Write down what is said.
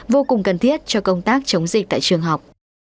vô cùng cần thiết cho công tác chống dịch tại trường học